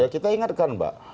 ya kita ingatkan mbak